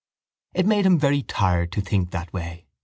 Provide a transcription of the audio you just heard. It made him very tired to think that way.